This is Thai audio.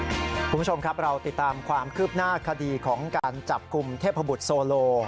คุณผู้ชมครับเราติดตามความคืบหน้าคดีของการจับกลุ่มเทพบุตรโซโล